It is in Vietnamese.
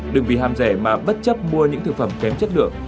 đừng vì ham rẻ mà bất chấp mua những thực phẩm kém chất lượng